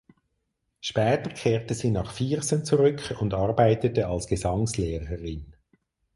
Später kehrte sie nach Viersen zurück und arbeitete als Gesangslehrerin.